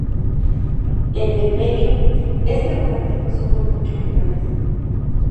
En el medio, este volante pasó por muchos lugares.